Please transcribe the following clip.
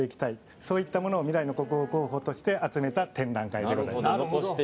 そういったものを未来の国宝候補として集めた展覧会です。